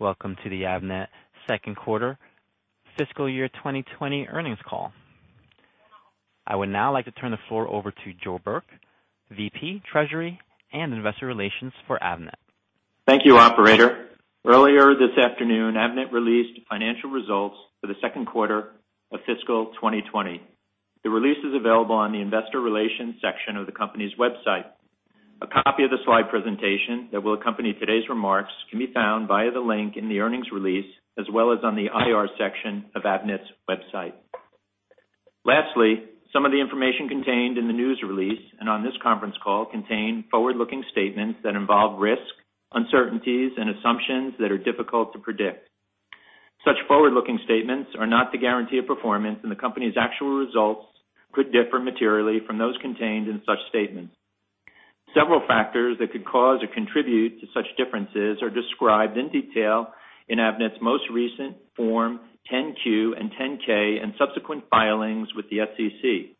Welcome to the Avnet second quarter fiscal year 2020 earnings call. I would now like to turn the floor over to Joe Burke, VP, Treasury and Investor Relations for Avnet. Thank you, operator. Earlier this afternoon, Avnet released financial results for the second quarter of fiscal 2020. The release is available on the investor relations section of the company's website. A copy of the slide presentation that will accompany today's remarks can be found via the link in the earnings release, as well as on the IR section of Avnet's website. Lastly, some of the information contained in the news release and on this conference call contain forward-looking statements that involve risks, uncertainties, and assumptions that are difficult to predict. Such forward-looking statements are not the guarantee of performance, and the company's actual results could differ materially from those contained in such statements. Several factors that could cause or contribute to such differences are described in detail in Avnet's most recent Form 10-Q and 10-K, and subsequent filings with the SEC.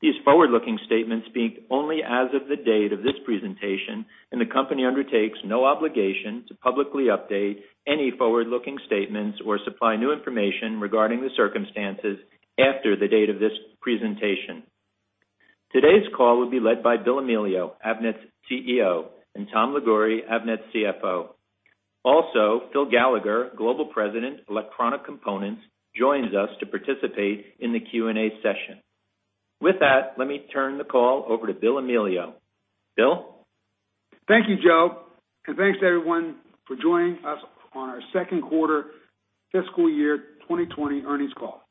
These forward-looking statements speak only as of the date of this presentation, and the company undertakes no obligation to publicly update any forward-looking statements or supply new information regarding the circumstances after the date of this presentation. Today's call will be led by Bill Amelio, Avnet's CEO, and Tom Liguori, Avnet's CFO. Also, Phil Gallagher, Global President, Electronic Components, joins us to participate in the Q&A session. With that, let me turn the call over to Bill Amelio. Bill? Thank you, Joe, and thanks to everyone for joining us on our second quarter fiscal year 2020 earnings call.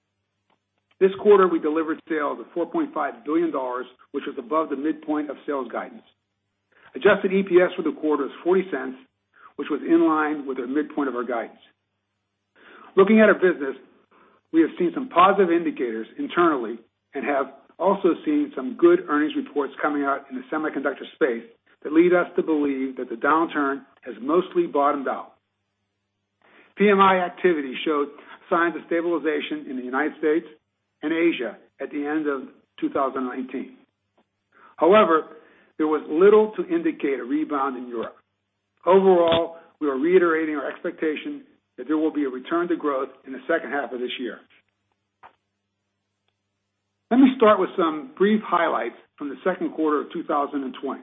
This quarter, we delivered sales of $4.5 billion, which was above the midpoint of sales guidance. Adjusted EPS for the quarter is $0.40, which was in line with the midpoint of our guidance. Looking at our business, we have seen some positive indicators internally and have also seen some good earnings reports coming out in the semiconductor space that lead us to believe that the downturn has mostly bottomed out. PMI activity showed signs of stabilization in the United States and Asia at the end of 2019. However, there was little to indicate a rebound in Europe. Overall, we are reiterating our expectation that there will be a return to growth in the second half of this year. Let me start with some brief highlights from the second quarter of 2020.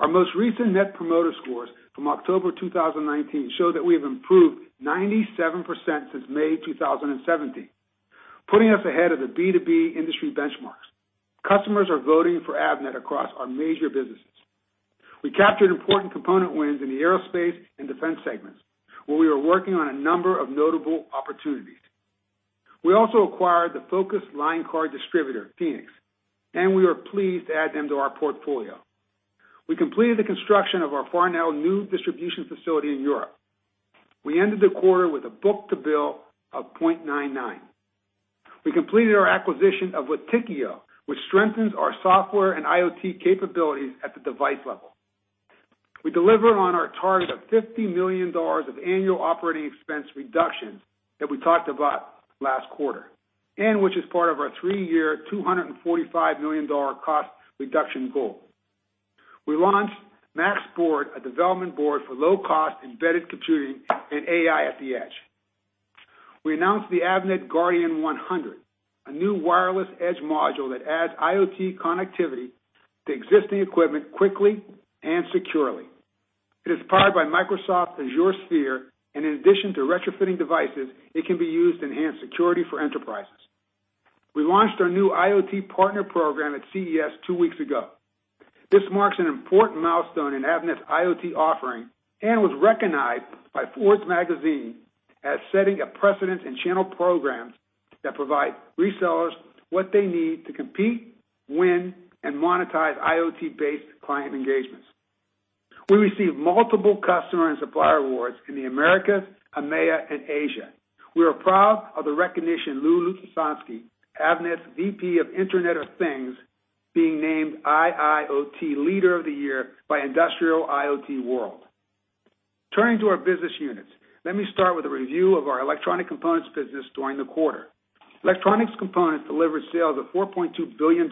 Our most recent Net Promoter Scores from October 2019 show that we have improved 97% since May 2017, putting us ahead of the B2B industry benchmarks. Customers are voting for Avnet across our major businesses. We captured important component wins in the aerospace and defense segments, where we are working on a number of notable opportunities. We also acquired the focused line card distributor, Phoenix, and we are pleased to add them to our portfolio. We completed the construction of our Farnell new distribution facility in Europe. We ended the quarter with a book-to-bill of 0.99. We completed our acquisition of Witekio, which strengthens our software and IoT capabilities at the device level. We delivered on our target of $50 million of annual operating expense reductions that we talked about last quarter, and which is part of our three-year, $245 million cost reduction goal. We launched MaaXBoard, a development board for low-cost embedded computing and AI at the edge. We announced the Avnet Guardian 100, a new wireless edge module that adds IoT connectivity to existing equipment quickly and securely. It is powered by Microsoft Azure Sphere, and in addition to retrofitting devices, it can be used to enhance security for enterprises. We launched our new IoT partner program at CES two weeks ago. This marks an important milestone in Avnet's IoT offering and was recognized by Forbes magazine as setting a precedent in channel programs that provide resellers what they need to compete, win, and monetize IoT-based client engagements. We received multiple customer and supplier awards in the Americas, EMEA, and Asia. We are proud of the recognition Lou Lukaszynski, Avnet's VP of Internet of Things, being named IIoT Leader of the Year by Industrial IoT World. Turning to our business units, let me start with a review of our Electronic Components business during the quarter. Electronic Components delivered sales of $4.2 billion,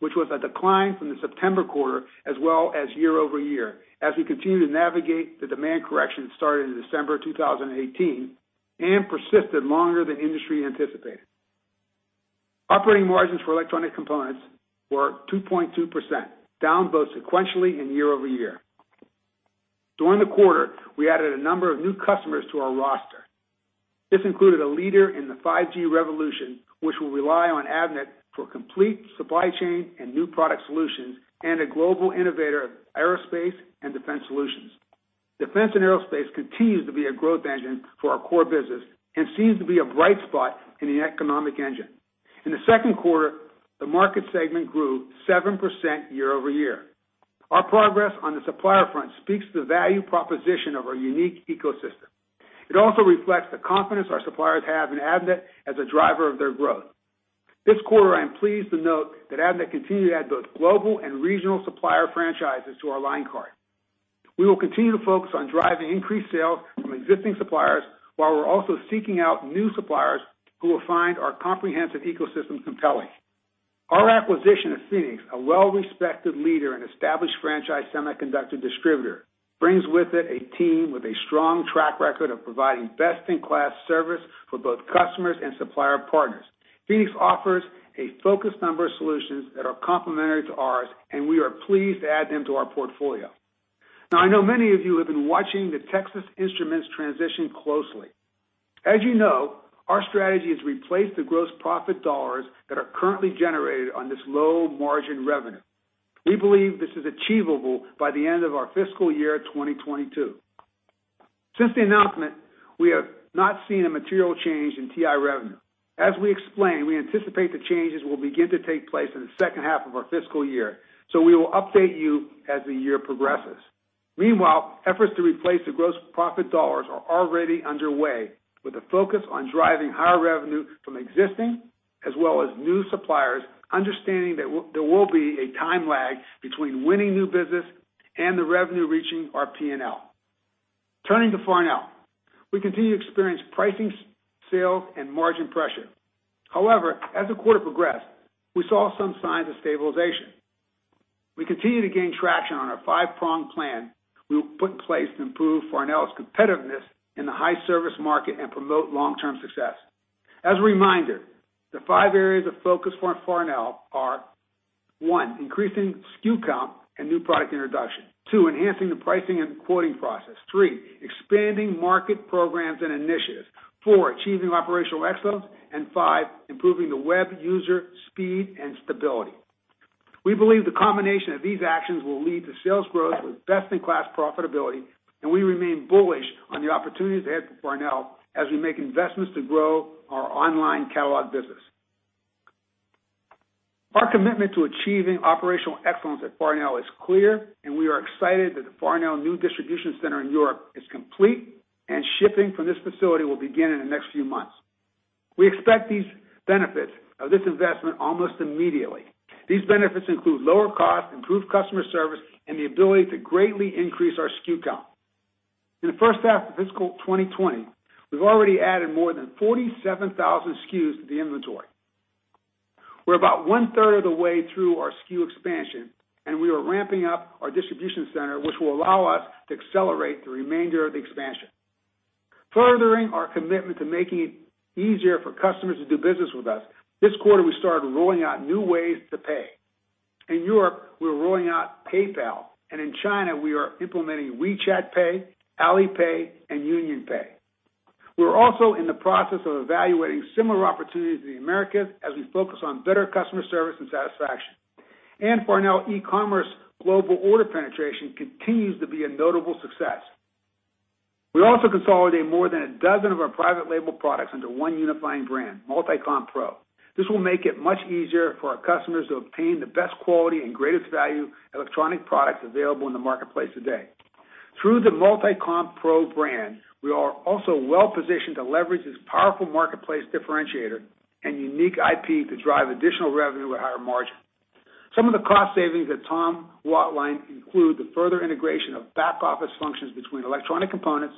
which was a decline from the September quarter, as well as year-over-year, as we continue to navigate the demand correction that started in December 2018 and persisted longer than industry anticipated. Operating margins for Electronic Components were 2.2%, down both sequentially and year-over-year. During the quarter, we added a number of new customers to our roster. This included a leader in the 5G revolution, which will rely on Avnet for complete supply chain and new product solutions, and a global innovator of aerospace and defense solutions. Defense and aerospace continues to be a growth engine for our core business and seems to be a bright spot in the economic engine. In the second quarter, the market segment grew 7% year-over-year. Our progress on the supplier front speaks to the value proposition of our unique ecosystem. It also reflects the confidence our suppliers have in Avnet as a driver of their growth. This quarter, I am pleased to note that Avnet continued to add both global and regional supplier franchises to our line card. We will continue to focus on driving increased sales from existing suppliers while we're also seeking out new suppliers who will find our comprehensive ecosystem compelling. Our acquisition of Phoenix, a well-respected leader and established franchise semiconductor distributor, brings with it a team with a strong track record of providing best-in-class service for both customers and supplier partners. Phoenix offers a focused number of solutions that are complementary to ours. We are pleased to add them to our portfolio. I know many of you have been watching the Texas Instruments transition closely. As you know, our strategy is to replace the gross profit dollars that are currently generated on this low-margin revenue. We believe this is achievable by the end of our fiscal year 2022. Since the announcement, we have not seen a material change in TI revenue. As we explained, we anticipate the changes will begin to take place in the second half of our fiscal year. We will update you as the year progresses. Meanwhile, efforts to replace the gross profit dollars are already underway, with a focus on driving higher revenue from existing as well as new suppliers, understanding that there will be a time lag between winning new business and the revenue reaching our P&L. Turning to Farnell. We continue to experience pricing, sales, and margin pressure. However, as the quarter progressed, we saw some signs of stabilization. We continue to gain traction on our five-pronged plan we put in place to improve Farnell's competitiveness in the high service market and promote long-term success. As a reminder, the five areas of focus for Farnell are, one, increasing SKU count and new product introduction. Two, enhancing the pricing and quoting process. Three, expanding market programs and initiatives. Four, achieving operational excellence, and five, improving the web user speed and stability. We believe the combination of these actions will lead to sales growth with best-in-class profitability. We remain bullish on the opportunities ahead for Farnell as we make investments to grow our online catalog business. Our commitment to achieving operational excellence at Farnell is clear. We are excited that the Farnell new distribution center in Europe is complete and shipping from this facility will begin in the next few months. We expect these benefits of this investment almost immediately. These benefits include lower cost, improved customer service, and the ability to greatly increase our SKU count. In the first half of fiscal 2020, we've already added more than 47,000 SKUs to the inventory. We're about one-third of the way through our SKU expansion. We are ramping up our distribution center, which will allow us to accelerate the remainder of the expansion. Furthering our commitment to making it easier for customers to do business with us, this quarter, we started rolling out new ways to pay. In Europe, we are rolling out PayPal, and in China, we are implementing WeChat Pay, Alipay, and UnionPay. We're also in the process of evaluating similar opportunities in the Americas as we focus on better customer service and satisfaction. Farnell e-commerce global order penetration continues to be a notable success. We also consolidate more than a dozen of our private label products under one unifying brand, Multicomp Pro. This will make it much easier for our customers to obtain the best quality and greatest value electronic products available in the marketplace today. Through the Multicomp Pro brand, we are also well-positioned to leverage this powerful marketplace differentiator and unique IP to drive additional revenue at higher margin. Some of the cost savings that Tom will outline include the further integration of back-office functions between electronic components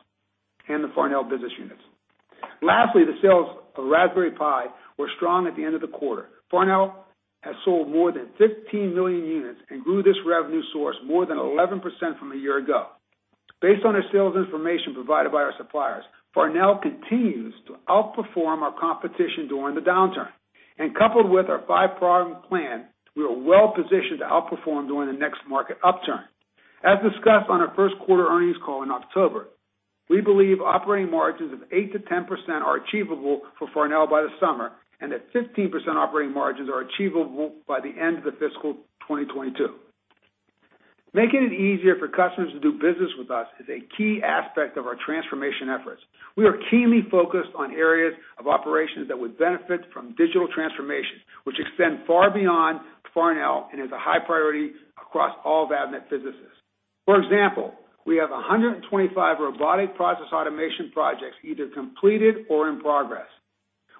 and the Farnell business units. Lastly, the sales of Raspberry Pi were strong at the end of the quarter. Farnell has sold more than 15 million units and grew this revenue source more than 11% from a year ago. Based on our sales information provided by our suppliers, Farnell continues to outperform our competition during the downturn. Coupled with our five-pronged plan, we are well-positioned to outperform during the next market upturn. As discussed on our first quarter earnings call in October, we believe operating margins of 8%-10% are achievable for Farnell by the summer, and that 15% operating margins are achievable by the end of the fiscal 2022. Making it easier for customers to do business with us is a key aspect of our transformation efforts. We are keenly focused on areas of operations that would benefit from digital transformation, which extend far beyond Farnell and is a high priority across all of Avnet businesses. For example, we have 125 robotic process automation projects either completed or in progress.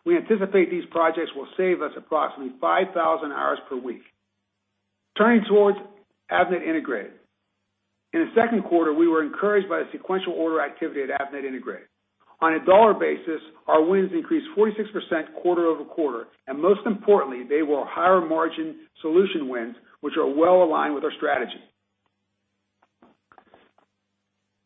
We anticipate these projects will save us approximately 5,000 hours per week. Turning towards Avnet Integrated. In the second quarter, we were encouraged by the sequential order activity at Avnet Integrated. On a dollar basis, our wins increased 46% quarter-over-quarter, and most importantly, they were higher margin solution wins, which are well aligned with our strategy.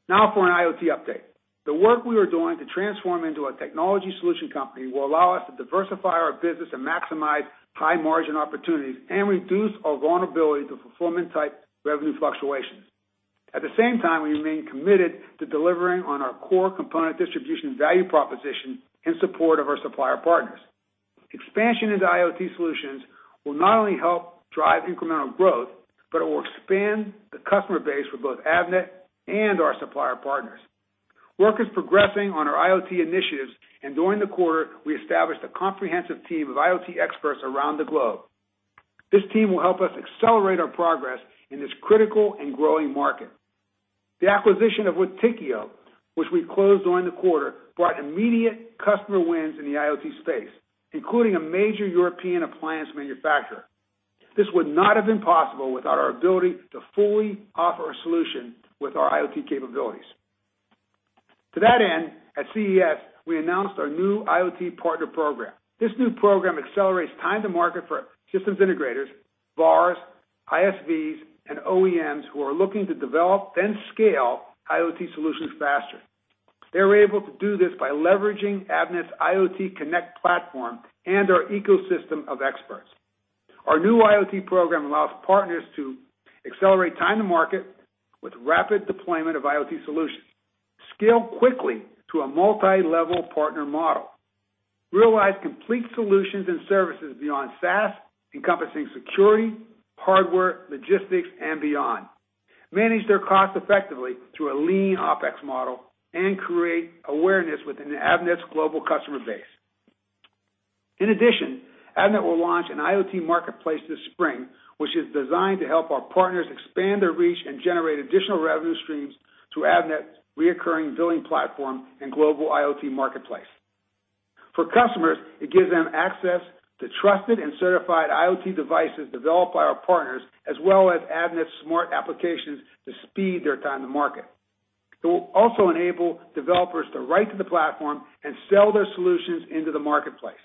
Now for an IoT update. The work we are doing to transform into a technology solution company will allow us to diversify our business and maximize high margin opportunities and reduce our vulnerability to fulfillment type revenue fluctuations. At the same time, we remain committed to delivering on our core component distribution value proposition in support of our supplier partners. Expansion into IoT solutions will not only help drive incremental growth, but it will expand the customer base for both Avnet and our supplier partners. Work is progressing on our IoT initiatives, and during the quarter, we established a comprehensive team of IoT experts around the globe. This team will help us accelerate our progress in this critical and growing market. The acquisition of Witekio, which we closed during the quarter, brought immediate customer wins in the IoT space, including a major European appliance manufacturer. This would not have been possible without our ability to fully offer a solution with our IoT capabilities. To that end, at CES, we announced our new IoT partner program. This new program accelerates time to market for systems integrators, VARs, ISVs, and OEMs who are looking to develop then scale IoT solutions faster. They were able to do this by leveraging Avnet's IoTConnect platform and our ecosystem of experts. Our new IoT program allows partners to accelerate time to market with rapid deployment of IoT solutions, scale quickly to a multilevel partner model, realize complete solutions and services beyond SaaS encompassing security, hardware, logistics, and beyond, manage their costs effectively through a lean OpEx model, and create awareness within Avnet's global customer base. In addition, Avnet will launch an IoT marketplace this spring, which is designed to help our partners expand their reach and generate additional revenue streams through Avnet's reoccurring billing platform and global IoT marketplace. For customers, it gives them access to trusted and certified IoT devices developed by our partners, as well as Avnet's smart applications to speed their time to market. It will also enable developers to write to the platform and sell their solutions into the marketplace.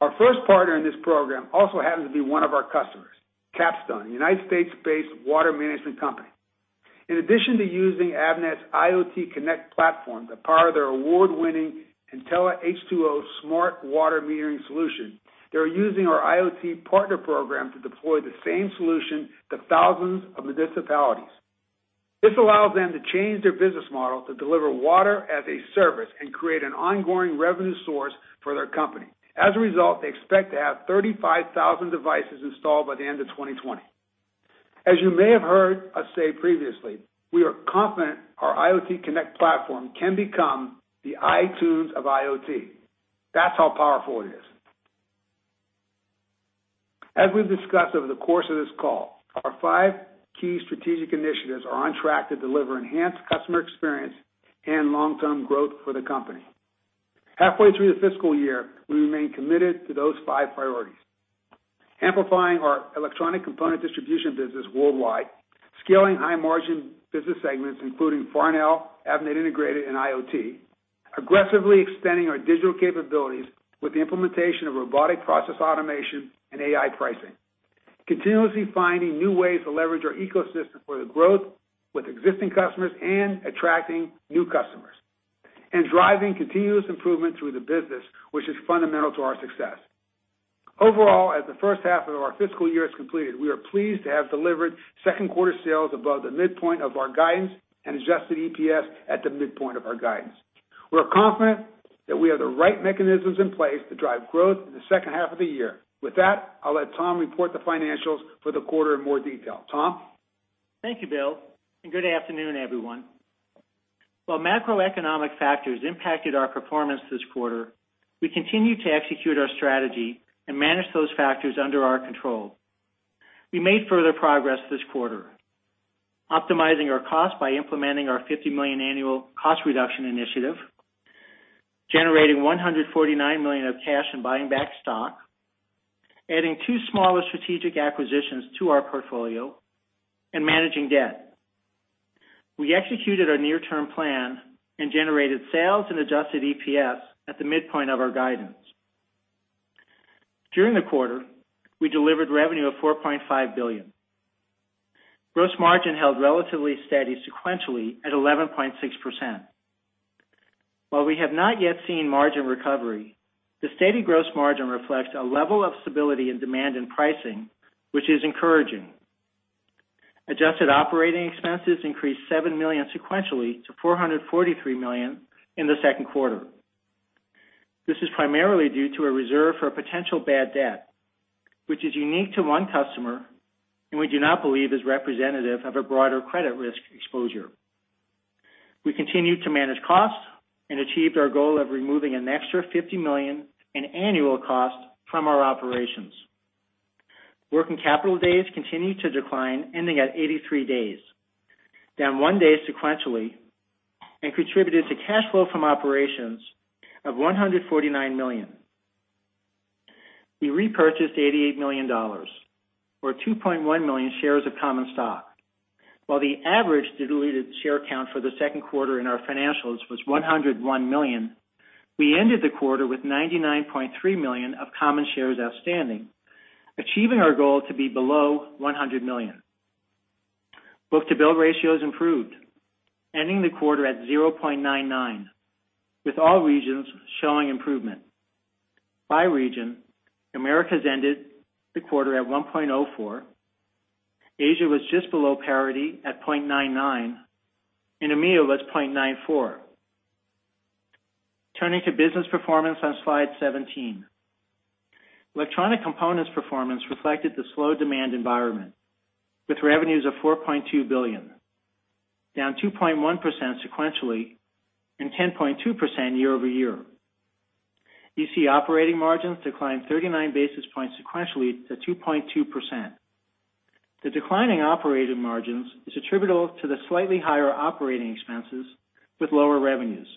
Our first partner in this program also happens to be one of our customers, Capstone, a U.S.-based water management company. In addition to using Avnet's IoTConnect platform to power their award-winning IntelliH2O smart water metering solution, they're using our IoT partner program to deploy the same solution to thousands of municipalities. This allows them to change their business model to deliver water as a service and create an ongoing revenue source for their company. As a result, they expect to have 35,000 devices installed by the end of 2020. As you may have heard us say previously, we are confident our IoTConnect platform can become the iTunes of IoT. That's how powerful it is. As we've discussed over the course of this call, our five key strategic initiatives are on track to deliver enhanced customer experience and long-term growth for the company. Halfway through the fiscal year, we remain committed to those five priorities. Amplifying our electronic component distribution business worldwide, scaling high-margin business segments, including Farnell, Avnet Integrated, and IoT, aggressively extending our digital capabilities with the implementation of robotic process automation and AI pricing, continuously finding new ways to leverage our ecosystem for the growth with existing customers and attracting new customers, and driving continuous improvement through the business, which is fundamental to our success. Overall, as the first half of our fiscal year is completed, we are pleased to have delivered second quarter sales above the midpoint of our guidance and adjusted EPS at the midpoint of our guidance. We're confident that we have the right mechanisms in place to drive growth in the second half of the year. With that, I'll let Tom report the financials for the quarter in more detail. Tom? Thank you, Bill, and good afternoon, everyone. While macroeconomic factors impacted our performance this quarter, we continue to execute our strategy and manage those factors under our control. We made further progress this quarter optimizing our cost by implementing our $50 million annual cost reduction initiative, generating $149 million of cash and buying back stock, adding two smaller strategic acquisitions to our portfolio, and managing debt. We executed our near-term plan and generated sales and adjusted EPS at the midpoint of our guidance. During the quarter, we delivered revenue of $4.5 billion. Gross margin held relatively steady sequentially at 11.6%. While we have not yet seen margin recovery, the steady gross margin reflects a level of stability in demand and pricing, which is encouraging. Adjusted operating expenses increased $7 million sequentially to $443 million in the second quarter. This is primarily due to a reserve for potential bad debt, which is unique to one customer, and we do not believe is representative of a broader credit risk exposure. We continued to manage costs and achieved our goal of removing an extra $50 million in annual cost from our operations. Working capital days continued to decline, ending at 83 days, down one day sequentially, and contributed to cash flow from operations of $149 million. We repurchased $88 million, or 2.1 million shares of common stock. While the average diluted share count for the second quarter in our financials was 101 million, we ended the quarter with 99.3 million of common shares outstanding, achieving our goal to be below 100 million. Book-to-bill ratios improved, ending the quarter at 0.99, with all regions showing improvement. By region, Americas ended the quarter at 1.04, Asia was just below parity at 0.99, and EMEA was 0.94. Turning to business performance on slide 17. Electronic components performance reflected the slow demand environment with revenues of $4.2 billion, down 2.1% sequentially and 10.2% year-over-year. EC operating margins declined 39 basis points sequentially to 2.2%. The declining operating margins is attributable to the slightly higher operating expenses with lower revenues.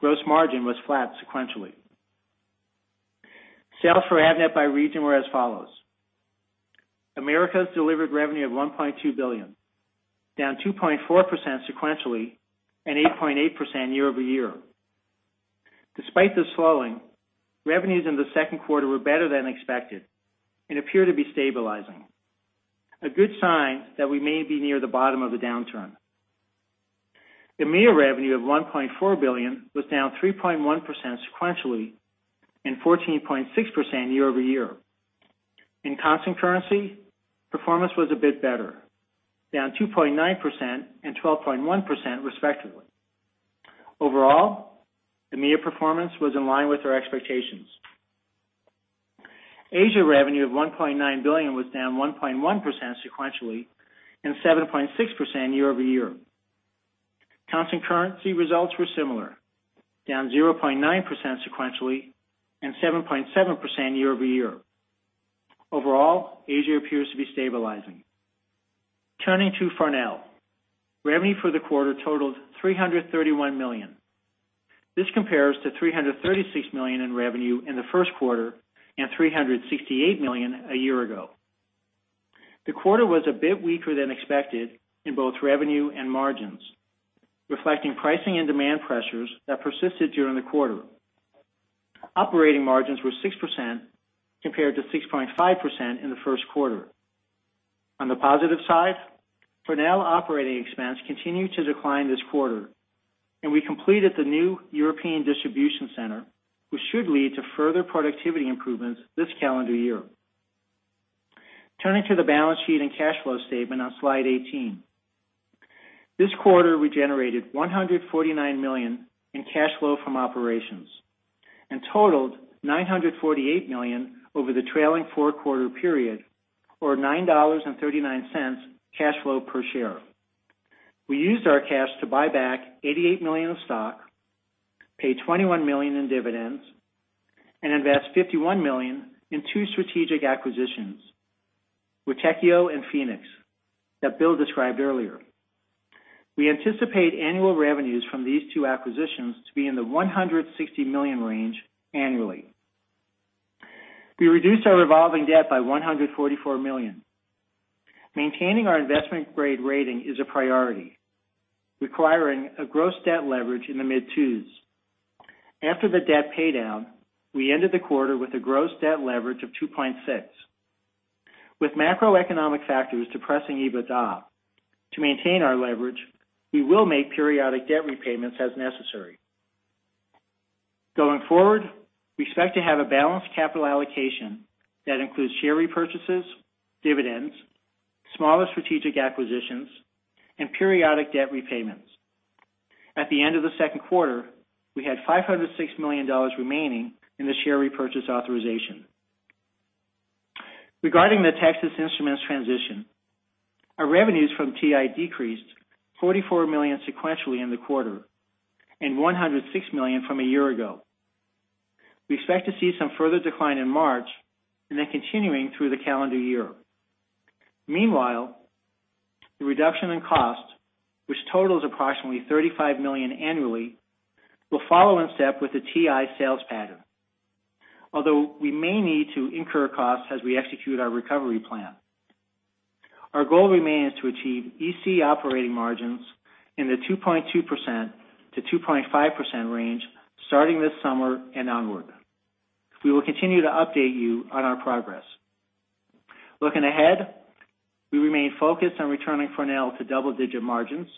Gross margin was flat sequentially. Sales for Avnet by region were as follows: Americas delivered revenue of $1.2 billion, down 2.4% sequentially and 8.8% year-over-year. Despite the slowing, revenues in the second quarter were better than expected and appear to be stabilizing, a good sign that we may be near the bottom of the downturn. EMEA revenue of $1.4 billion was down 3.1% sequentially and 14.6% year-over-year. In constant currency, performance was a bit better, down 2.9% and 12.1% respectively. Overall, EMEA performance was in line with our expectations. Asia revenue of $1.9 billion was down 1.1% sequentially and 7.6% year-over-year. Constant currency results were similar, down 0.9% sequentially and 7.7% year-over-year. Overall, Asia appears to be stabilizing. Turning to Farnell. Revenue for the quarter totaled $331 million. This compares to $336 million in revenue in the first quarter and $368 million a year ago. The quarter was a bit weaker than expected in both revenue and margins, reflecting pricing and demand pressures that persisted during the quarter. Operating margins were 6% compared to 6.5% in the first quarter. On the positive side, Farnell operating expense continued to decline this quarter, and we completed the new European distribution center, which should lead to further productivity improvements this calendar year. Turning to the balance sheet and cash flow statement on slide 18. This quarter, we generated $149 million in cash flow from operations and totaled $948 million over the trailing four-quarter period or $9.39 cash flow per share. We used our cash to buy back $88 million of stock, pay $21 million in dividends, and invest $51 million in two strategic acquisitions, Witekio and Phoenix, that Bill described earlier. We anticipate annual revenues from these two acquisitions to be in the $160 million range annually. We reduced our revolving debt by $144 million. Maintaining our investment grade rating is a priority, requiring a gross debt leverage in the mid-2s. After the debt paydown, we ended the quarter with a gross debt leverage of 2.6. With macroeconomic factors depressing EBITDA, to maintain our leverage, we will make periodic debt repayments as necessary. Going forward, we expect to have a balanced capital allocation that includes share repurchases, dividends, smaller strategic acquisitions, and periodic debt repayments. At the end of the second quarter, we had $506 million remaining in the share repurchase authorization. Regarding the Texas Instruments transition, our revenues from TI decreased $44 million sequentially in the quarter and $106 million from a year ago. We expect to see some further decline in March and then continuing through the calendar year. Meanwhile, the reduction in cost, which totals approximately $35 million annually, will follow in step with the TI sales pattern. Although we may need to incur costs as we execute our recovery plan. Our goal remains to achieve EC operating margins in the 2.2%-2.5% range starting this summer and onward. We will continue to update you on our progress. Looking ahead, we remain focused on returning Farnell to double-digit margins,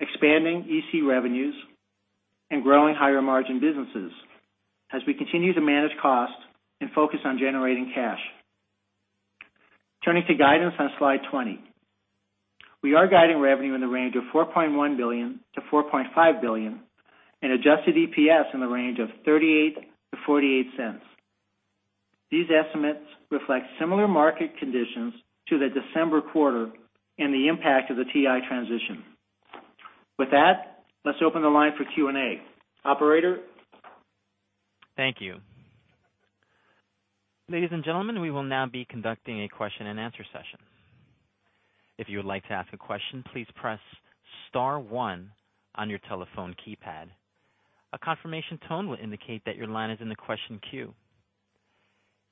expanding EC revenues, and growing higher margin businesses as we continue to manage costs and focus on generating cash. Turning to guidance on slide 20. We are guiding revenue in the range of $4.1 billion-$4.5 billion and adjusted EPS in the range of $0.38-$0.48. These estimates reflect similar market conditions to the December quarter and the impact of the TI transition. With that, let's open the line for Q&A. Operator? Thank you. Ladies and gentlemen, we will now be conducting a question and answer session. If you would like to ask a question, please press star one on your telephone keypad. A confirmation tone will indicate that your line is in the question queue.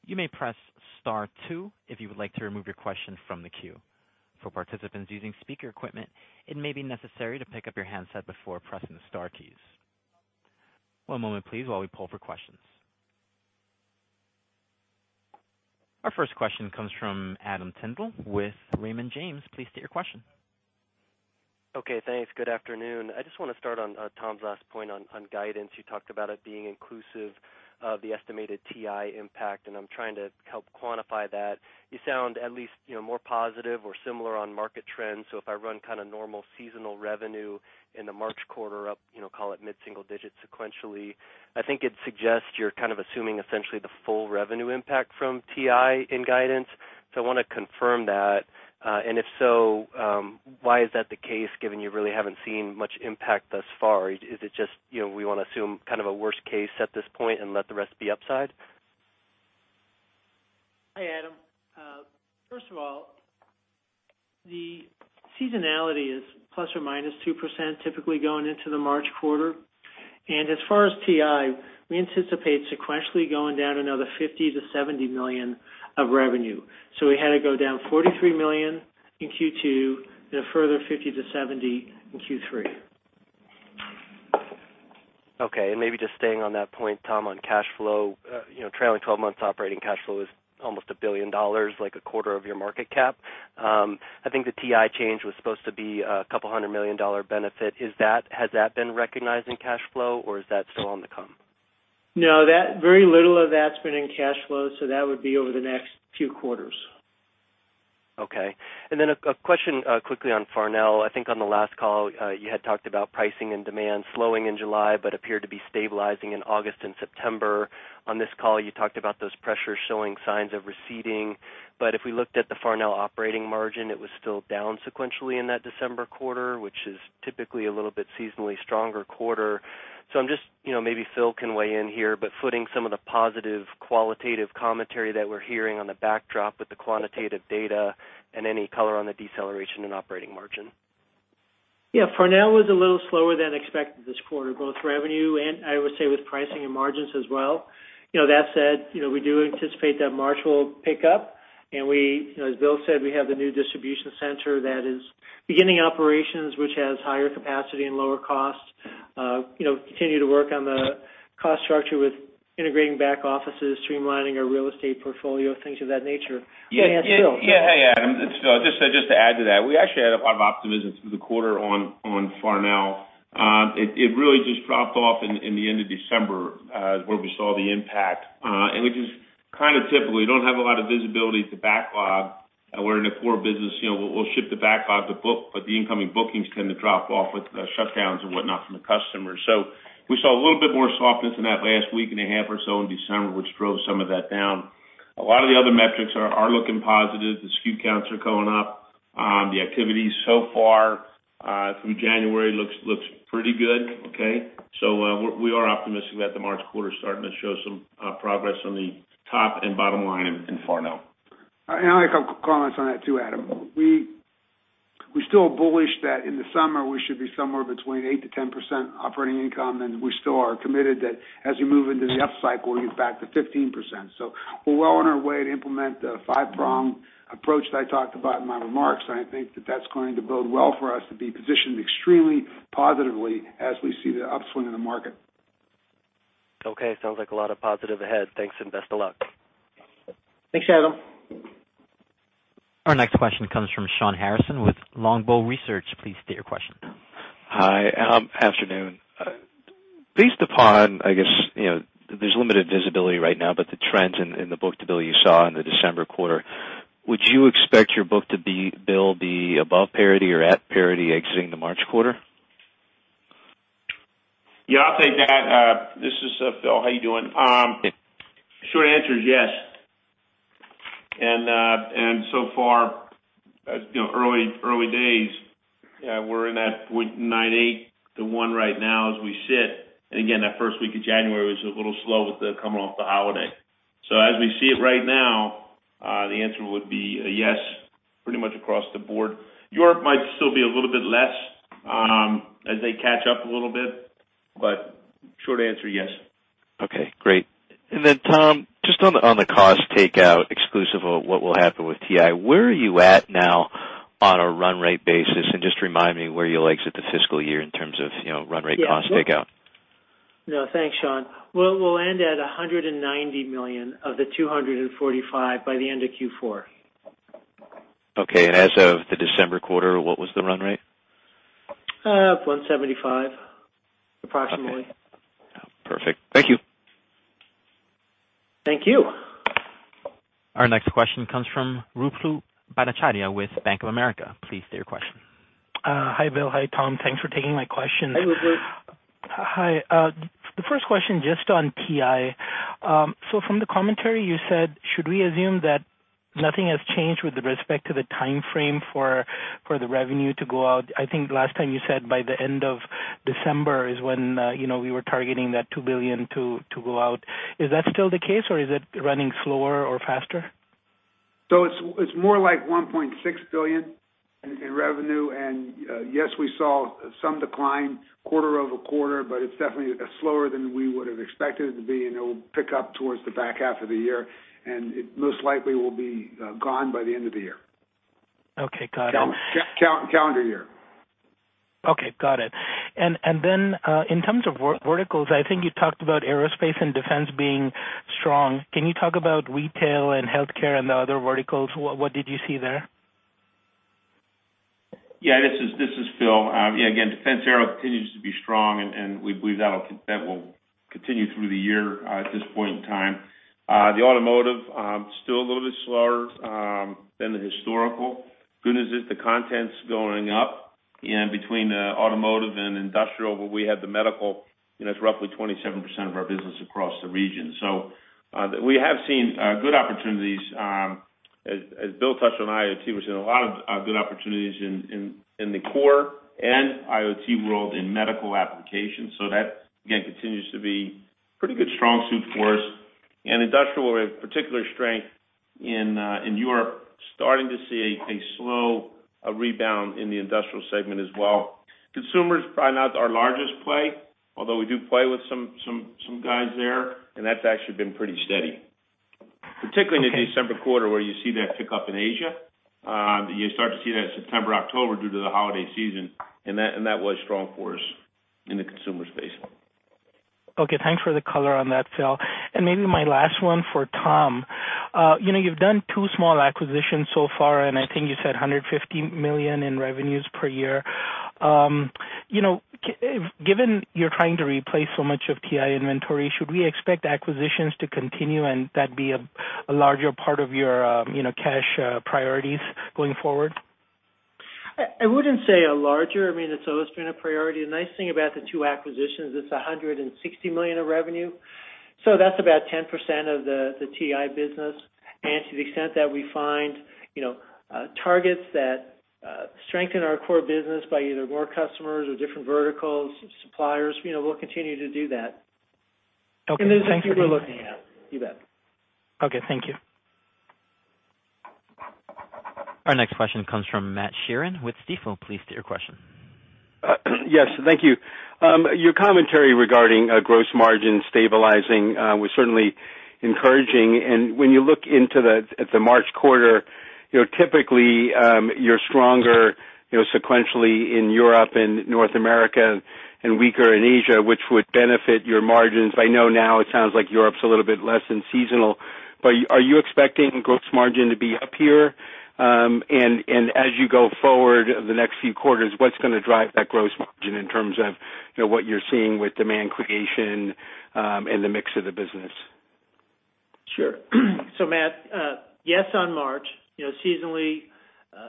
You may press star two if you would like to remove your question from the queue. For participants using speaker equipment, it may be necessary to pick up your handset before pressing the star keys. One moment, please, while we poll for questions. Our first question comes from Adam Tindle with Raymond James. Please state your question. Okay, thanks. Good afternoon. I just want to start on Tom's last point on guidance. You talked about it being inclusive of the estimated TI impact, and I'm trying to help quantify that. You sound at least more positive or similar on market trends. If I run kind of normal seasonal revenue in the March quarter up, call it mid-single digits sequentially, I think it suggests you're kind of assuming essentially the full revenue impact from TI in guidance. I want to confirm that, and if so, why is that the case, given you really haven't seen much impact thus far? Is it just, we want to assume kind of a worst case at this point and let the rest be upside? Hi, Adam Tindle. First of all, the seasonality is ±2% typically going into the March quarter. As far as TI, we anticipate sequentially going down another $50 million-$70 million of revenue. We had to go down $43 million in Q2 and a further $50 million-$70 million in Q3. Okay, maybe just staying on that point, Tom, on cash flow. Trailing 12 months operating cash flow is almost $1 billion, like a quarter of your market cap. I think the TI change was supposed to be a couple hundred million dollar benefit. Has that been recognized in cash flow, or is that still on the come? No, very little of that's been in cash flow, so that would be over the next few quarters. Okay. A question quickly on Farnell. I think on the last call, you had talked about pricing and demand slowing in July, appeared to be stabilizing in August and September. On this call, you talked about those pressures showing signs of receding, if we looked at the Farnell operating margin, it was still down sequentially in that December quarter, which is typically a little bit seasonally stronger quarter. Maybe Phil can weigh in here, footing some of the positive qualitative commentary that we're hearing on the backdrop with the quantitative data and any color on the deceleration in operating margin. Yeah. Farnell was a little slower than expected this quarter, both revenue and I would say with pricing and margins as well. That said, we do anticipate that March will pick up, and as Bill said, we have the new distribution center that is beginning operations, which has higher capacity and lower cost. Continue to work on the cost structure with integrating back offices, streamlining our real estate portfolio, things of that nature. Phil. Yeah. Hey, Adam. It's Phil. Just to add to that, we actually had a lot of optimism through the quarter on Farnell. It really just dropped off in the end of December, where we saw the impact, and which is kind of typical. We don't have a lot of visibility to backlog. We're in a core business. We'll ship the backlog to book, but the incoming bookings tend to drop off with the shutdowns and whatnot from the customers. We saw a little bit more softness in that last week and a half or so in December, which drove some of that down. A lot of the other metrics are looking positive. The SKU counts are going up. The activity so far through January looks pretty good. Okay? We are optimistic that the March quarter's starting to show some progress on the top and bottom line in Farnell. I have a couple comments on that too, Adam. We're still bullish that in the summer we should be somewhere between 8%-10% operating income, and we still are committed that as you move into the up cycle, you get back to 15%. We're well on our way to implement the five-prong approach that I talked about in my remarks, and I think that that's going to bode well for us to be positioned extremely positively as we see the upswing in the market. Okay, sounds like a lot of positive ahead. Thanks, and best of luck. Thanks, Adam. Our next question comes from Shawn Harrison with Longbow Research. Please state your question. Hi, Adam. Afternoon. Based upon, I guess, there's limited visibility right now, but the trends in the book-to-bill you saw in the December quarter, would you expect your book-to-bill be above parity or at parity exiting the March quarter? Yeah, I'll take that. This is Phil. How you doing? Good. Short answer is yes. So far, early days, we're in that 0.98 to one right now as we sit, and again, that first week of January was a little slow with the coming off the holiday. As we see it right now, the answer would be a yes pretty much across the board. Europe might still be a little bit less as they catch up a little bit, but short answer, yes. Okay, great. Then Tom, just on the cost takeout exclusive of what will happen with TI, where are you at now on a run rate basis? Just remind me where you'll exit the fiscal year in terms of run rate cost takeout. Yeah. No, thanks, Shawn. We'll end at $190 million of the $245 by the end of Q4. Okay. As of the December quarter, what was the run rate? 175 approximately. Okay. Perfect. Thank you. Thank you. Our next question comes from Ruplu Bhattacharya with Bank of America. Please state your question. Hi, Bill. Hi, Tom. Thanks for taking my question. Hi, Ruplu. Hi. The first question just on TI. From the commentary you said, should we assume that nothing has changed with respect to the timeframe for the revenue to go out? I think last time you said by the end of December is when we were targeting that $2 billion to go out. Is that still the case, or is it running slower or faster? It's more like $1.6 billion in revenue, and yes, we saw some decline quarter-over-quarter, but it's definitely slower than we would've expected it to be, and it will pick up towards the back half of the year, and it most likely will be gone by the end of the year. Okay, got it. Calendar year. Okay, got it. In terms of verticals, I think you talked about aerospace and defense being strong. Can you talk about retail and healthcare and the other verticals? What did you see there? This is Phil. Defense aero continues to be strong, and we believe that will continue through the year at this point in time. The automotive, still a little bit slower than the historical. Good news is the content's going up, and between the automotive and industrial, where we have the medical, that's roughly 27% of our business across the region. We have seen good opportunities. As Bill touched on IoT, we're seeing a lot of good opportunities in the core and IoT world in medical applications. That continues to be pretty good strong suit for us. Industrial, a particular strength in Europe, starting to see a slow rebound in the industrial segment as well. Consumer's probably not our largest play, although we do play with some guys there, and that's actually been pretty steady. Particularly in the December quarter, where you see that pick up in Asia. You start to see that September, October due to the holiday season, and that was strong for us in the consumer space. Okay. Thanks for the color on that, Phil. Maybe my last one for Tom. You've done two small acquisitions so far, and I think you said $150 million in revenues per year. Given you're trying to replace so much of TI inventory, should we expect acquisitions to continue and that be a larger part of your cash priorities going forward? I wouldn't say a larger, it's always been a priority. The nice thing about the two acquisitions, it's $160 million of revenue, that's about 10% of the TI business. To the extent that we find targets that strengthen our core business by either more customers or different verticals, suppliers, we'll continue to do that. Okay. Thank you. There's a few we're looking at. You bet. Okay, thank you. Our next question comes from Matt Sheerin with Stifel. Please state your question. Yes, thank you. Your commentary regarding gross margin stabilizing was certainly encouraging. When you look into the March quarter, typically, you're stronger sequentially in Europe and North America and weaker in Asia, which would benefit your margins. I know now it sounds like Europe's a little bit less than seasonal, but are you expecting gross margin to be up here? As you go forward the next few quarters, what's going to drive that gross margin in terms of what you're seeing with demand creation, and the mix of the business? Sure. Matt, yes on March. Seasonally,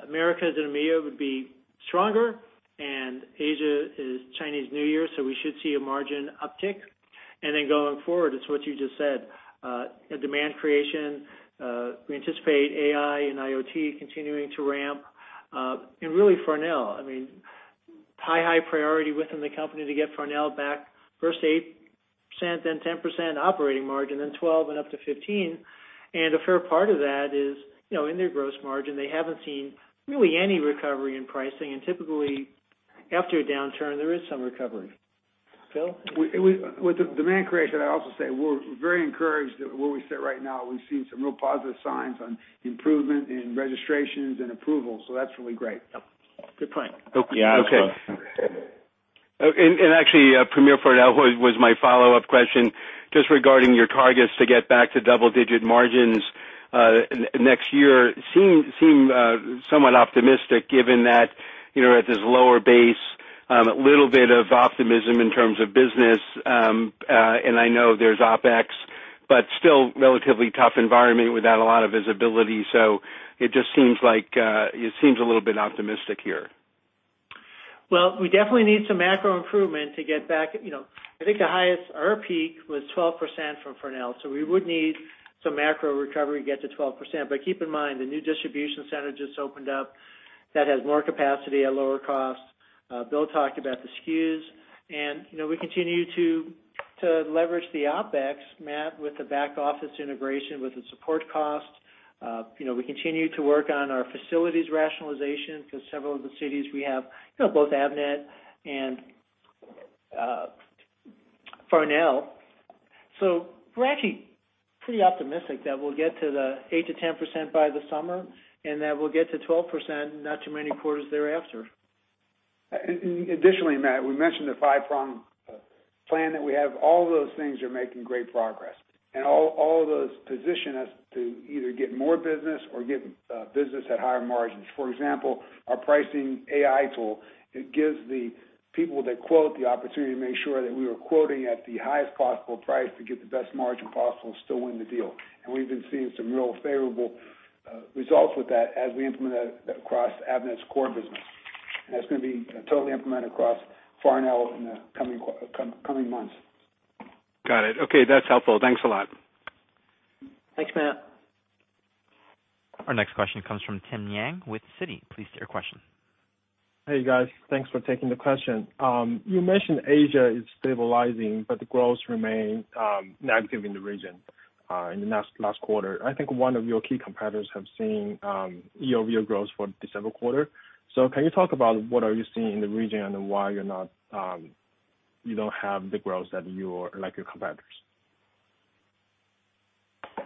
Americas and EMEA would be stronger and Asia is Chinese New Year, so we should see a margin uptick. Going forward, it's what you just said, demand creation. We anticipate AI and IoT continuing to ramp. Really Farnell, high priority within the company to get Farnell back first 8%, then 10% operating margin, then 12% and up to 15%. A fair part of that is in their gross margin, they haven't seen really any recovery in pricing, and typically after a downturn, there is some recovery. Phil? With the demand creation, I also say we're very encouraged where we sit right now. We've seen some real positive signs on improvement in registrations and approvals, so that's really great. Yep. Good point. Okay. Actually, Premier Farnell was my follow-up question. Just regarding your targets to get back to double-digit margins next year seem somewhat optimistic given that at this lower base, a little bit of optimism in terms of business, and I know there's OpEx, but still relatively tough environment without a lot of visibility. It just seems a little bit optimistic here. We definitely need some macro improvement to get back. I think the highest, our peak was 12% from Farnell, so we would need some macro recovery to get to 12%. Keep in mind, the new distribution center just opened up that has more capacity at lower cost. Bill talked about the SKUs, and we continue to leverage the OpEx, Matt, with the back-office integration, with the support cost. We continue to work on our facilities rationalization because several of the cities we have, both Avnet and Farnell. We're actually pretty optimistic that we'll get to the 8%-10% by the summer, and that we'll get to 12% not too many quarters thereafter. Additionally, Matt, we mentioned the five-prong plan that we have. All those things are making great progress, and all of those position us to either get more business or get business at higher margins. For example, our pricing AI tool, it gives the people that quote the opportunity to make sure that we are quoting at the highest possible price to get the best margin possible and still win the deal. We've been seeing some real favorable results with that as we implement that across Avnet's core business. That's going to be totally implemented across Farnell in the coming months. Got it. Okay, that's helpful. Thanks a lot. Thanks, Matt. Our next question comes from Tim Yang with Citi. Please state your question. Hey, guys. Thanks for taking the question. You mentioned Asia is stabilizing, but the growth remained negative in the region in the last quarter. I think one of your key competitors have seen year-over-year growth for December quarter. Can you talk about what are you seeing in the region and why you don't have the growth like your competitors?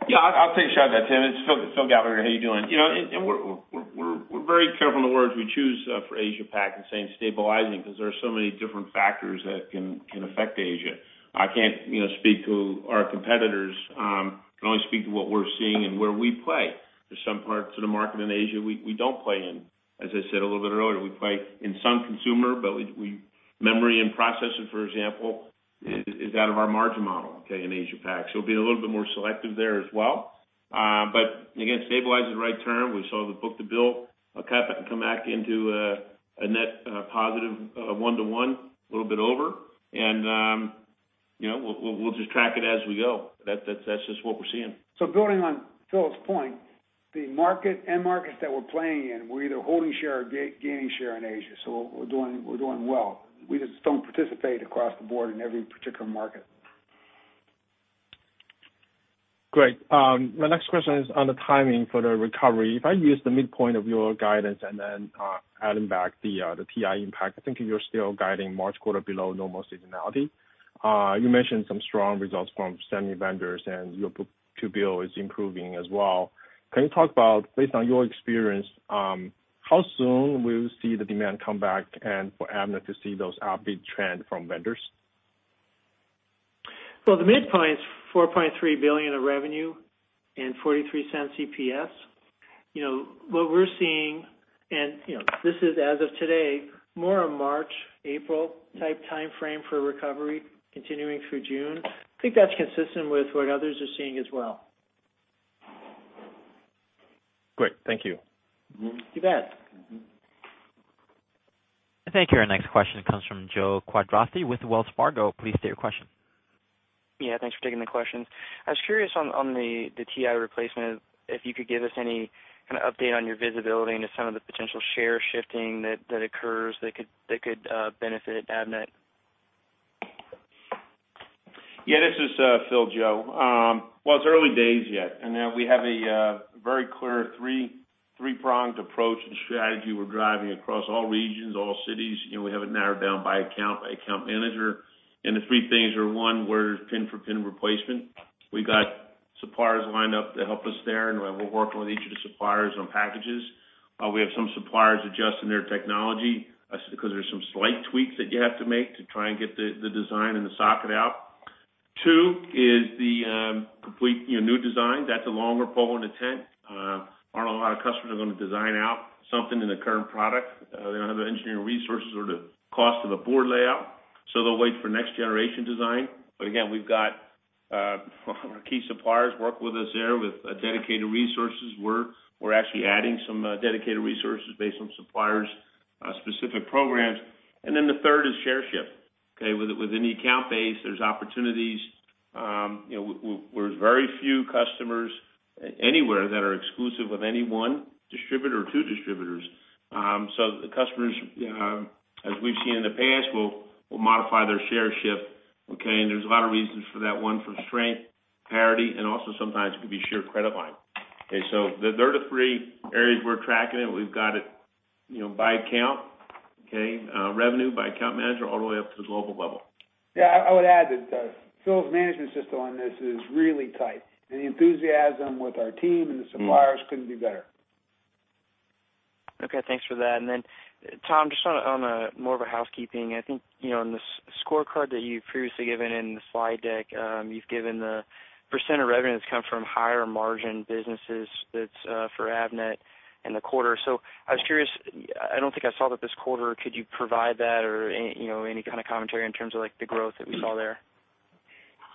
Yeah, I'll take a shot at that, Tim. It's Phil Gallagher. How you doing? We're very careful in the words we choose for Asia Pac in saying stabilizing because there are so many different factors that can affect Asia. I can't speak to our competitors. I can only speak to what we're seeing and where we play. There's some parts of the market in Asia we don't play in. As I said a little bit earlier, we play in some consumer, but memory and processor, for example, is out of our margin model in Asia Pac. Being a little bit more selective there as well. Again, stabilize is the right term. We saw the book-to-bill come back into a net positive one to one, a little bit over. We'll just track it as we go. That's just what we're seeing. Building on Phil's point, the end markets that we're playing in, we're either holding share or gaining share in Asia. We're doing well. We just don't participate across the board in every particular market. Great. My next question is on the timing for the recovery. If I use the midpoint of your guidance and then adding back the TI impact, I think you're still guiding March quarter below normal seasonality. You mentioned some strong results from semi vendors and your book-to-bill is improving as well. Can you talk about, based on your experience, how soon we will see the demand come back and for Avnet to see those upbeat trend from vendors? Well, the midpoint is $4.3 billion of revenue and $0.43 EPS. What we're seeing, and this is as of today, more a March, April type timeframe for recovery continuing through June. I think that's consistent with what others are seeing as well. Great. Thank you. Mm-hmm. You bet. Mm-hmm. Thank you. Our next question comes from Joe Quatrochi with Wells Fargo. Please state your question. Yeah. Thanks for taking the questions. I was curious on the TI replacement, if you could give us any kind of update on your visibility into some of the potential share shifting that occurs that could benefit Avnet. Yeah. This is Phil, Joe. Well, it's early days yet. We have a very clear three-pronged approach and strategy we're driving across all regions, all cities. We have it narrowed down by account, by account manager. The three things are, one, we're pin for pin replacement. We got suppliers lined up to help us there. We're working with each of the suppliers on packages. We have some suppliers adjusting their technology because there's some slight tweaks that you have to make to try and get the design and the socket out. Two is the complete new design. That's a longer pole in the tent. Aren't a lot of customers are going to design out something in the current product. They don't have the engineering resources or the cost of the board layout, so they'll wait for next generation design. Again, we've got our key suppliers working with us there with dedicated resources. We're actually adding some dedicated resources based on suppliers' specific programs. The third is share shift. Okay. Within the account base, there's opportunities. There's very few customers anywhere that are exclusive of any one distributor or two distributors. The customers, as we've seen in the past, will modify their share shift. Okay. There's a lot of reasons for that. One, for strength, parity, and also sometimes it could be shared credit line. Okay. There are the three areas we're tracking it. We've got it by account, okay, revenue by account manager, all the way up to the global level. Yeah, I would add that Phil's management system on this is really tight, and the enthusiasm with our team and the suppliers couldn't be better. Okay. Thanks for that. Tom, just on a more of a housekeeping, I think in the scorecard that you've previously given in the slide deck, you've given the percent of revenue that's come from higher margin businesses that's for Avnet in the quarter. I was curious, I don't think I saw that this quarter. Could you provide that or any kind of commentary in terms of the growth that we saw there?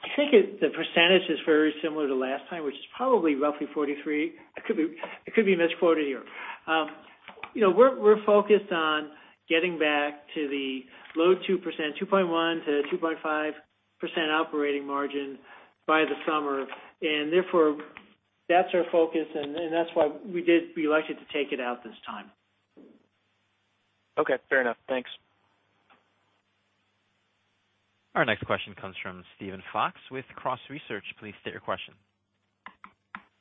I think the percentage is very similar to last time, which is probably roughly 43. I could be misquoting here. We're focused on getting back to the low 2%, 2.1%-2.5% operating margin by the summer, and therefore that's our focus and that's why we elected to take it out this time. Okay, fair enough. Thanks. Our next question comes from Steven Fox with Cross Research. Please state your question.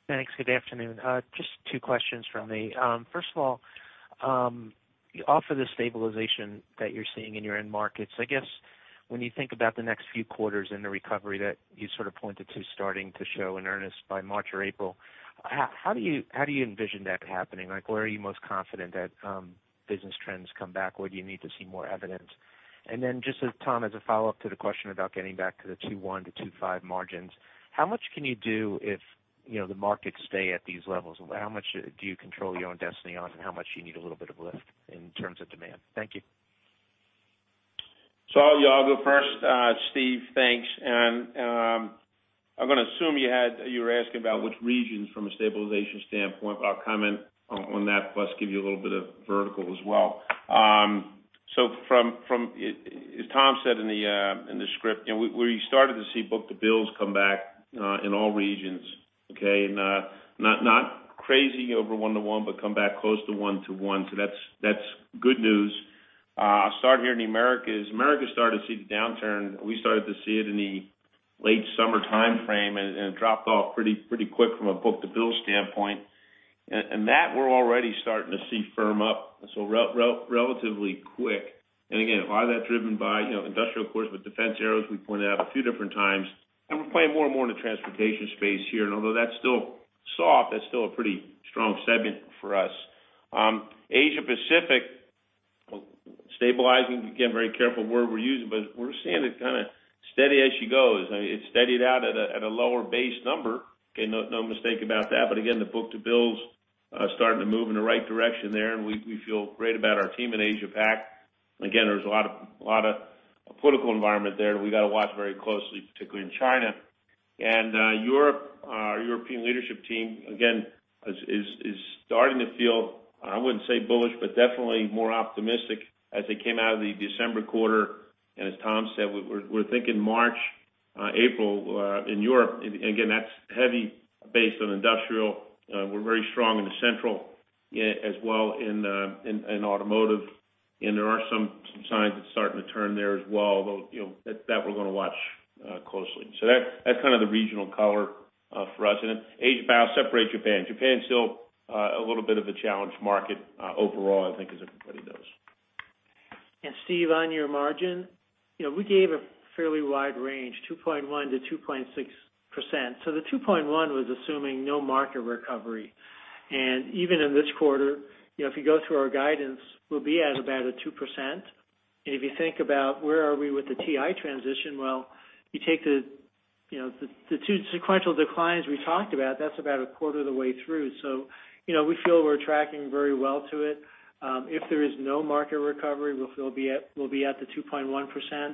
Thanks. Good afternoon. Just two questions from me. First of all, off of the stabilization that you're seeing in your end markets, I guess when you think about the next few quarters in the recovery that you sort of pointed to starting to show in earnest by March or April, how do you envision that happening? Where are you most confident that business trends come back? Where do you need to see more evidence? Just as Tom, as a follow-up to the question about getting back to the 2.1%-2.5% margins, how much can you do if the markets stay at these levels? How much do you control your own destiny on and how much do you need a little bit of lift in terms of demand? Thank you. I'll go first, Steven. Thanks. I'm going to assume you were asking about which regions from a stabilization standpoint, but I'll comment on that plus give you a little bit of vertical as well. From, as Tom said in the script, we started to see book-to-bills come back in all regions. Okay. Not crazy over one to one, but come back close to one to one. That's good news. I'll start here in the Americas. Americas started to see the downturn. We started to see it in the late summer timeframe, and it dropped off pretty quick from a book-to-bill standpoint. That we're already starting to see firm up, relatively quick. Again, a lot of that driven by industrial, of course, with defense aerospace we pointed out a few different times, and we're playing more and more in the transportation space here. Although that's still soft, that's still a pretty strong segment for us. Asia Pacific, stabilizing, again, very careful word we're using, but we're seeing it kind of steady as she goes. It steadied out at a lower base number. Okay. No mistake about that. Again, the book-to-bill's starting to move in the right direction there, and we feel great about our team in Asia Pac. Again, there's a lot of political environment there that we got to watch very closely, particularly in China. Our European leadership team, again, is starting to feel, I wouldn't say bullish, but definitely more optimistic as they came out of the December quarter. As Tom said, we're thinking March, April in Europe. Again, that's heavy based on industrial. We're very strong in the central as well in automotive. There are some signs it's starting to turn there as well, that we're going to watch closely. That's kind of the regional color for us. Asia-Pac, separate Japan. Japan's still a little bit of a challenged market overall, I think, as everybody knows. Steve, on your margin, we gave a fairly wide range, 2.1%-2.6%. The 2.1% was assuming no market recovery. Even in this quarter, if you go through our guidance, we'll be at about a 2%. If you think about where are we with the TI transition, well, you take the two sequential declines we talked about, that's about a quarter of the way through. We feel we're tracking very well to it. If there is no market recovery, we'll be at the 2.1%.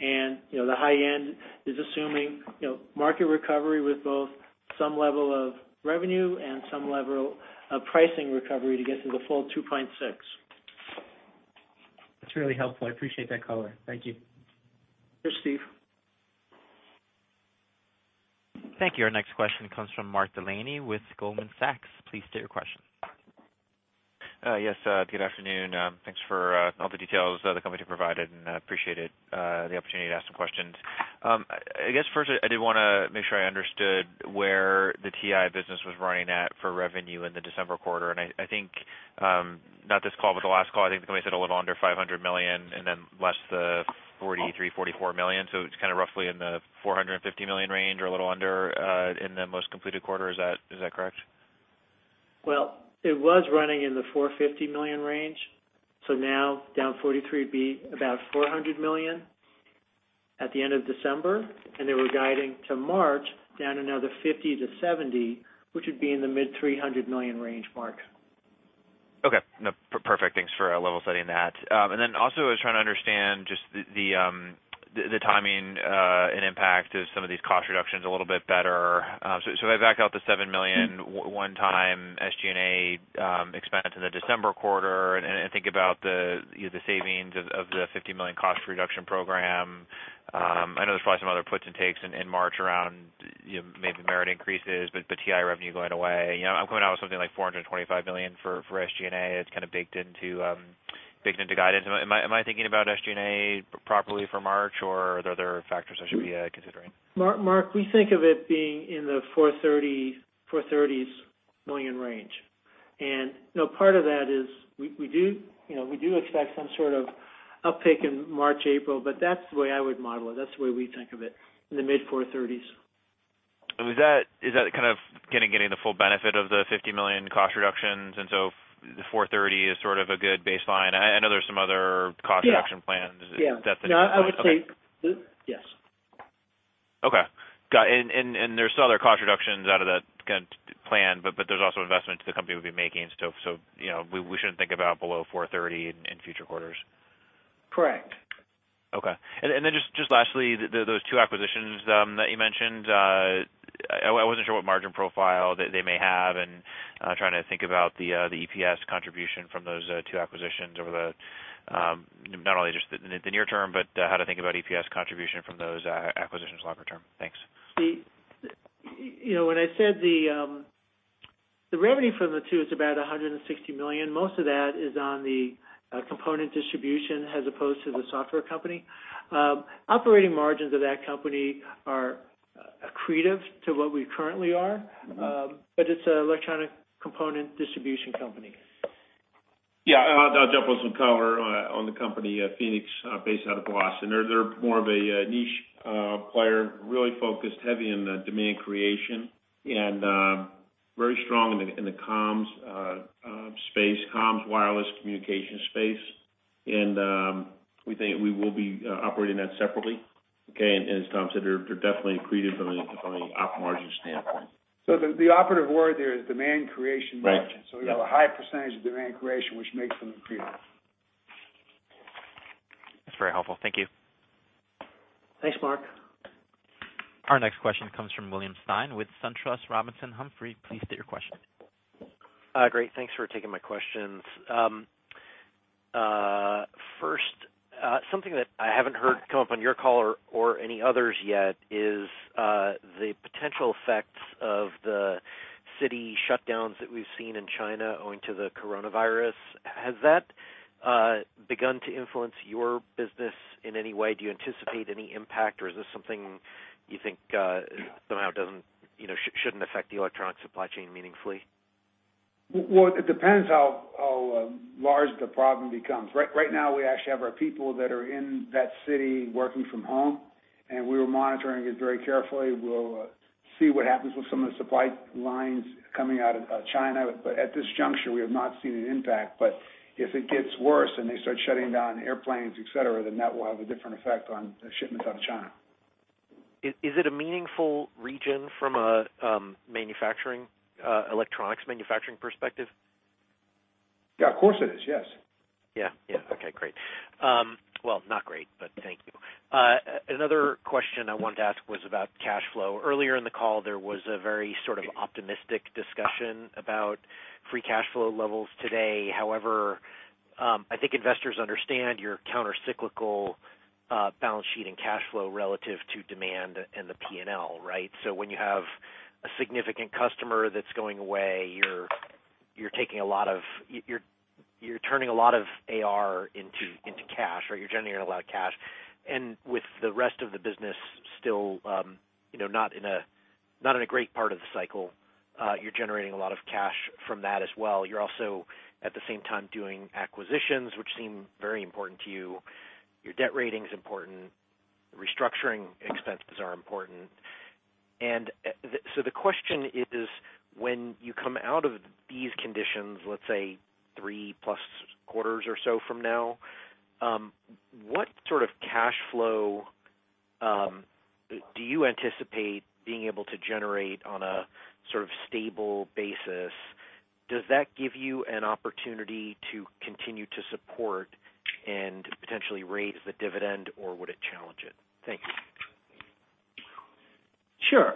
The high end is assuming market recovery with both some level of revenue and some level of pricing recovery to get to the full 2.6%. That's really helpful. I appreciate that color. Thank you. Sure, Steve. Thank you. Our next question comes from Mark Delaney with Goldman Sachs. Please state your question. Yes. Good afternoon. Thanks for all the details the company provided. I appreciate the opportunity to ask some questions. I guess first, I did want to make sure I understood where the TI business was running at for revenue in the December quarter. I think, not this call, but the last call, I think the company said a little under $500 million, then less the $43 million-$44 million. It's kind of roughly in the $450 million range or a little under, in the most completed quarter. Is that correct? Well, it was running in the $450 million range. Now down $43 million would be about $400 million at the end of December. They were guiding to March down another $50 million to $70 million, which would be in the mid $300 million range, Mark. Okay. No, perfect. Thanks for level setting that. Also, I was trying to understand just the timing and impact of some of these cost reductions a little bit better. If I back out the $7 million one-time SG&A expense in the December quarter, and I think about the savings of the $50 million cost reduction program. I know there's probably some other puts and takes in March around maybe merit increases, but TI revenue going away. I'm coming out with something like $425 million for SG&A that's kind of baked into guidance. Am I thinking about SG&A properly for March, or are there other factors I should be considering? Mark, we think of it being in the $430 million range. Part of that is we do expect some sort of uptick in March, April. That's the way I would model it. That's the way we think of it, in the mid-$430s. Is that kind of getting the full benefit of the $50 million cost reductions, and so the $430 is sort of a good baseline? I know there's some other cost reduction plans. Yeah. No, Yes. Okay, got it. There's still other cost reductions out of that plan, but there's also investments the company will be making, so we shouldn't think about below $430 in future quarters. Correct. Okay. Lastly, those two acquisitions that you mentioned, I wasn't sure what margin profile they may have, and trying to think about the EPS contribution from those two acquisitions not only just in the near term, but how to think about EPS contribution from those acquisitions longer term. Thanks. Steve, when I said the revenue from the two is about $160 million, most of that is on the component distribution as opposed to the software company. Operating margins of that company are accretive to what we currently are. It's an electronic component distribution company. Yeah. I'll jump on some color on the company, Phoenix, based out of Boston. They're more of a niche player, really focused heavy in the demand creation and very strong in the comms space, comms, wireless communication space. We think we will be operating that separately. Okay. As Tom said, they're definitely accretive from the op margin standpoint. The operative word there is demand creation margin. Right. Yeah. We have a high percent of demand creation, which makes them accretive. That's very helpful. Thank you. Thanks, Mark. Our next question comes from William Stein with SunTrust Robinson Humphrey. Please state your question. Great. Thanks for taking my questions. First, something that I haven't heard come up on your call or any others yet is the potential effects of the city shutdowns that we've seen in China owing to the coronavirus. Has that begun to influence your business in any way? Do you anticipate any impact, or is this something you think somehow shouldn't affect the electronic supply chain meaningfully? Well, it depends how large the problem becomes. Right now, we actually have our people that are in that city working from home, and we're monitoring it very carefully. We'll see what happens with some of the supply lines coming out of China. At this juncture, we have not seen an impact. If it gets worse and they start shutting down airplanes, etc, then that will have a different effect on shipments out of China. Is it a meaningful region from an electronics manufacturing perspective? Yeah, of course it is. Yes. Okay, great. Well, not great, but thank you. Another question I wanted to ask was about cash flow. Earlier in the call, there was a very sort of optimistic discussion about free cash flow levels today. I think investors understand your counter-cyclical balance sheet and cash flow relative to demand and the P&L, right? When you have a significant customer that's going away, you're turning a lot of AR into cash, or you're generating a lot of cash. With the rest of the business still not in a great part of the cycle, you're generating a lot of cash from that as well. You're also, at the same time, doing acquisitions, which seem very important to you. Your debt rating's important. Restructuring expenses are important. The question is, when you come out of these conditions, let's say 3+ quarters or so from now, what sort of cash flow do you anticipate being able to generate on a sort of stable basis? Does that give you an opportunity to continue to support and potentially raise the dividend, or would it challenge it? Thank you. Sure.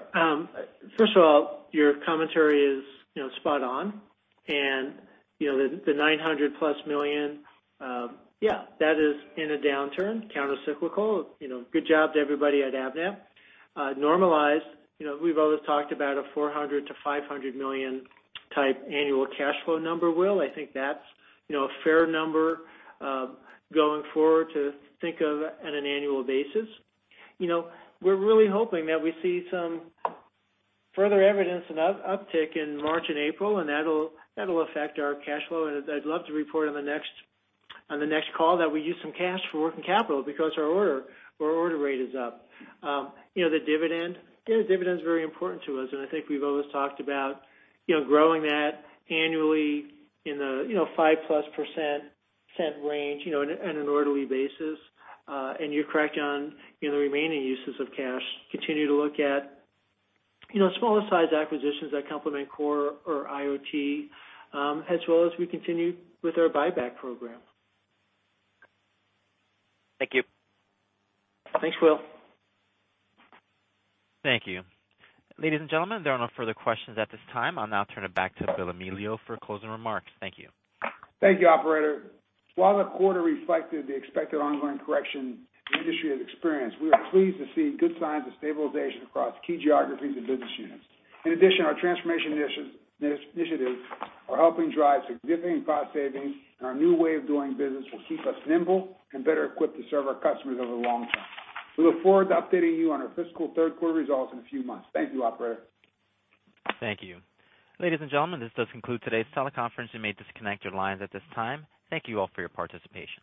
First of all, your commentary is spot on. The $900+ million, that is in a downturn, counter-cyclical. Good job to everybody at Avnet. Normalized, we've always talked about a $400 million-$500 million type annual cash flow number, Will. I think that's a fair number going forward to think of on an annual basis. We're really hoping that we see some further evidence and uptick in March and April, and that'll affect our cash flow. I'd love to report on the next call that we use some cash for working capital because our order rate is up. The dividend is very important to us, and I think we've always talked about growing that annually in the 5%+ range on an orderly basis. You're correct on the remaining uses of cash. Continue to look at smaller size acquisitions that complement core or IoT, as well as we continue with our buyback program. Thank you. Thanks, Will. Thank you. Ladies and gentlemen, there are no further questions at this time. I'll now turn it back to Bill Amelio for closing remarks. Thank you. Thank you, operator. While the quarter reflected the expected ongoing correction the industry has experienced, we are pleased to see good signs of stabilization across key geographies and business units. Our transformation initiatives are helping drive significant cost savings, and our new way of doing business will keep us nimble and better equipped to serve our customers over the long term. We look forward to updating you on our fiscal third quarter results in a few months. Thank you, operator. Thank you. Ladies and gentlemen, this does conclude today's teleconference. You may disconnect your lines at this time. Thank you all for your participation.